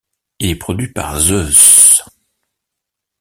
Il est produit par Zeuss.